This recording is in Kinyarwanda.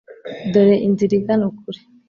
dore inzira igana ukuri